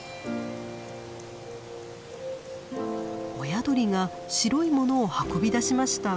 親鳥が白いものを運び出しました。